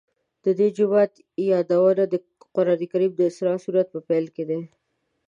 د دې جومات یادونه د قرآن کریم د اسراء سورت په پیل کې شوې.